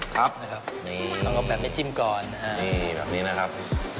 ครับนะครับนี่แล้วก็แบบไม่จิ้มก่อนนะฮะนี่แบบนี้นะครับ